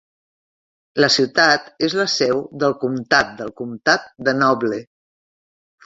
La ciutat és la seu del comtat del comtat de Noble.